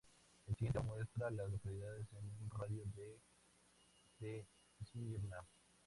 El siguiente diagrama muestra a las localidades en un radio de de Smyrna.